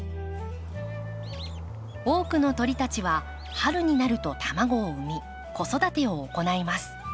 多くの鳥たちは春になると卵を産み子育てを行います。